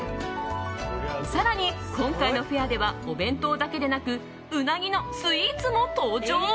更に、今回のフェアではお弁当だけではなくうなぎのスイーツも登場。